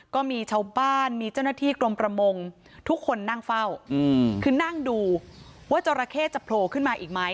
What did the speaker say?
ก็มีชาวบ้านมีเจ้าหน้าที่กรมประมงทุกคนนั่งเฝ้าคือนั่งดูว่าจราเข้จะโผล่ขึ้นมาอีกไหม